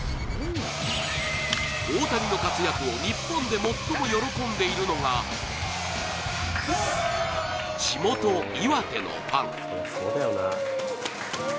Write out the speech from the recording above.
大谷の活躍を日本で最も喜んでいるのが地元・岩手のファン。